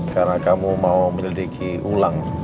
karena kamu mau mendidiki ulang